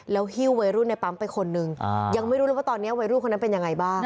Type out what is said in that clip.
หิ้ววัยรุ่นในปั๊มไปคนนึงยังไม่รู้เลยว่าตอนนี้วัยรุ่นคนนั้นเป็นยังไงบ้าง